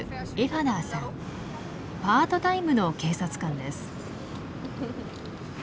パートタイムの警察官です。